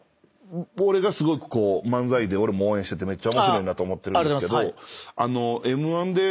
俺がすごくこう漫才で俺も応援しててめっちゃ面白いなと思ってるんですけど。